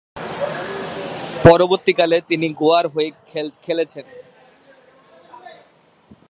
পরবর্তীকালে, তিনি গোয়ার হয়ে খেলেছেন।